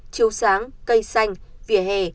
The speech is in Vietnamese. chiều sáng cây xanh vỉa hè